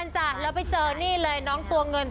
จะเท่าไหน